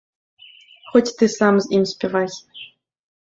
Хоць ты сам з ім спявай!